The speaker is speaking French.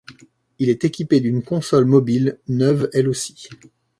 Il est équipé d'une console mobile, neuve elle aussi.